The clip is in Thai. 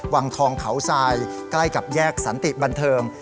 วังทองเขาทรายใกล้กับแยกสันติบันเทิง